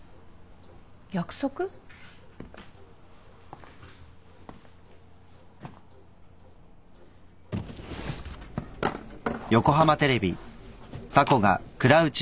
約束？あっ。